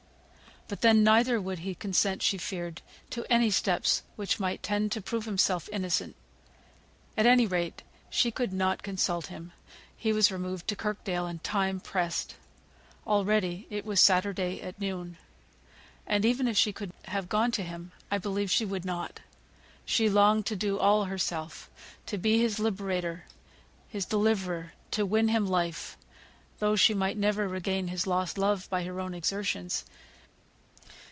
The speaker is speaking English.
But then neither would he consent, she feared, to any steps which might tend to prove himself innocent. At any rate, she could not consult him. He was removed to Kirkdale, and time pressed. Already it was Saturday at noon. And even if she could have gone to him, I believe she would not. She longed to do all herself; to be his liberator, his deliverer; to win him life, though she might never regain his lost love, by her own exertions.